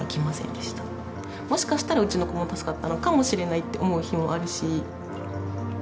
もしかしたらうちの子も助かったのかもしれないって思う日もあるし。